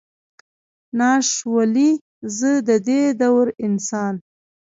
ناش ولئ، زه ددې دور انسان.